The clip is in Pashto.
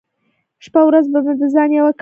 شپه ورځ به مې په ځان يوه کړې وه .